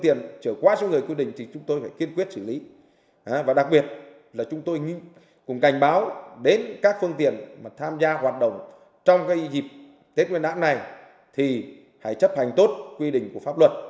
tết nguyên đán này thì hãy chấp hành tốt quy định của pháp luật